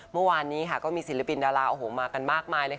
เมื่อวานนี้ก็มีศิลปินดาลามากมายเลย